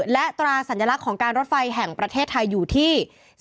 และตราสัญลักษณ์ของการรถไฟแห่งประเทศไทยอยู่ที่